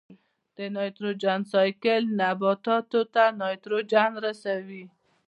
د نایټروجن سائیکل نباتاتو ته نایټروجن رسوي.